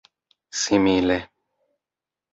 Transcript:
simile